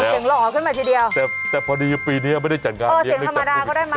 โหเสียงหล่อขึ้นมาทีเดียวแต่พอดีปีนี้ไม่ได้จัดงานโอ้เสียงธรรมดาก็ได้มากเออ๑๙๒๙